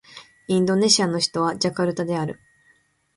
インドネシアの首都はジャカルタである